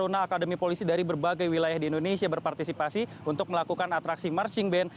dan juga diikuti oleh sekitar dua ratus polisi dari berbagai wilayah di indonesia berpartisipasi untuk melakukan atraksi marching band